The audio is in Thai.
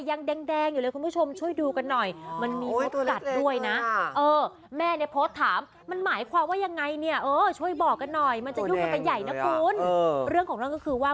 มันจะยุ่งคนตะใหญ่นะคุณเรื่องของเรื่องก็คือว่า